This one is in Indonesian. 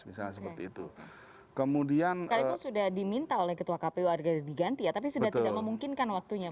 sekalipun sudah diminta oleh ketua kpu agar diganti ya tapi sudah tidak memungkinkan waktunya